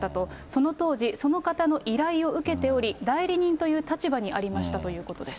その当時、その方の依頼を受けており、代理人という立場にありましたということです。